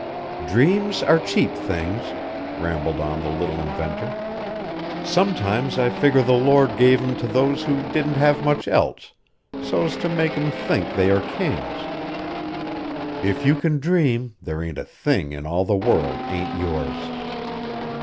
"Dreams are cheap things," rambled on the little inventor. "Sometimes I figger the Lord gave 'em to those who didn't have much else, so'st to make 'em think they are kings. If you can dream there ain't a thing in all the world ain't yours."